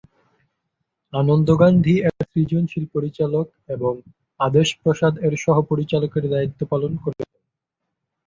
আনন্দ গান্ধী এর সৃজনশীল পরিচালক এবং আদেশ প্রসাদ এর সহ-পরিচালকের দায়িত্ব পালন করেছেন।